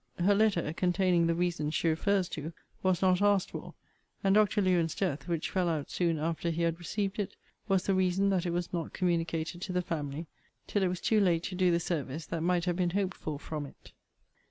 Her letter, containing the reasons she refers to, was not asked for; and Dr. Lewen's death, which fell out soon after he had received it, was the reason that it was not communicated to the family, till it was too late to do the service that might have been hoped for from it.